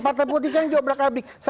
partai politik yang diobrak abk